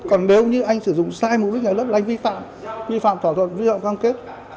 còn nếu như anh sử dụng sai mục đích giao đất là anh vi phạm vi phạm thỏa thuận vi phạm con kết